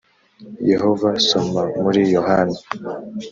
Yehova Soma muri Yohana